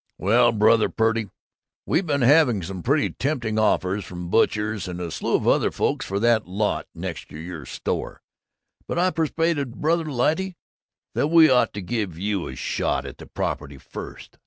"Well, Brother Purdy, we been having some pretty tempting offers from butchers and a slew of other folks for that lot next to your store, but I persuaded Brother Lyte that we ought to give you a shot at the property first.